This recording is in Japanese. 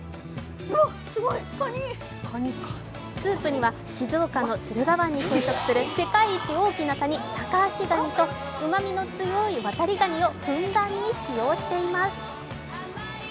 スープには静岡の駿河湾に生息するタカアシガニとうまみの強いワタリガニをふんだんに使用しています。